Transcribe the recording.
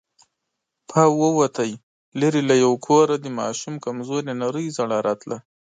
پاو ووت، ليرې له يوه کوره د ماشوم کمزورې نرۍ ژړا راتله.